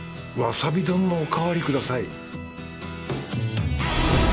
わさび丼のおかわりください。